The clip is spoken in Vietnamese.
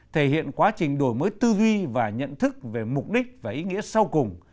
thể hiện quá trình đổi mới tư duy và nhận thức về mục đích và ý nghĩa sau cùng